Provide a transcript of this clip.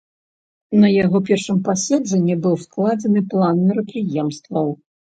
На яго першым паседжанні быў складзены план мерапрыемстваў.